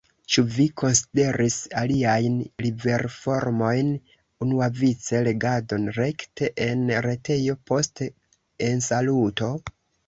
Ĉu vi konsideris aliajn liverformojn, unuavice legadon rekte en retejo, post ensaluto?